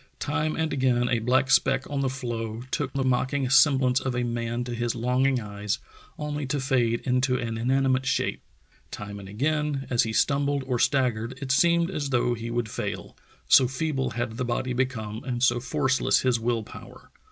Time and again a black speck on the floe took the Parr's Lonely March 265 mocking semblance of a man to his longing eyes, onl}' to fade into an inanimate shape. Time and again, as he stumbled or staggered, it seemed as though he would fail, so feeble had the body become and so forceless his will power.